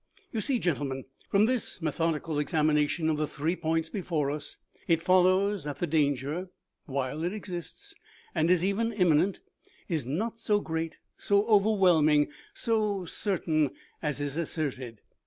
," You see, gentlemen, from this methodical examina tion of the three points before us, it follows that the danger, while it exists, and is even imminent, is not so great, so overwhelming, so certain, as is asserted.